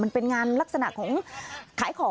คุณผู้หญิงเสื้อสีขาวเจ้าของรถที่ถูกชน